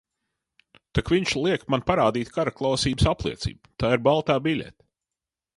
Tak viņš liek man parādīt karaklausības apliecību – tā ir baltā biļete.